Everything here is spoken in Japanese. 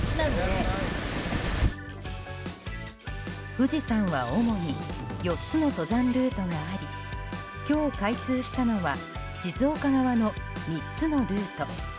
富士山は主に４つの登山ルートがあり今日、開通したのは静岡側の３つのルート。